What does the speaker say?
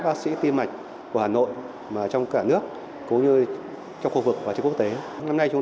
bác sĩ tiêm mạch của hà nội và trong cả nước cũng như trong khu vực và trên quốc tế năm nay chúng